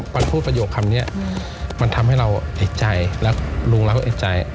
พูดประโยคคำนี้มันทำให้เราติดใจแล้วลุงเราก็เอกใจ